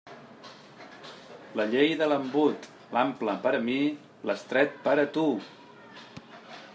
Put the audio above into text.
La llei de l'embut: l'ample per a mi, l'estret per a tu.